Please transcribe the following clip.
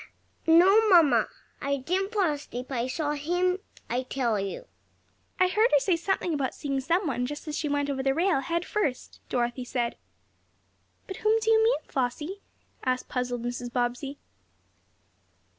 "No, mamma. I didn't fall asleep. I saw HIM, I tell you." "I heard her say something about seeing some one, just as she went over the rail, head first," Dorothy said. "But whom do you mean, Flossie?" asked puzzled Mrs. Bobbsey.